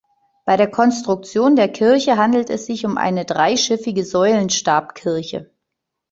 Bei der Konstruktion der Kirche handelt es sich um eine dreischiffige Säulen-Stabkirche.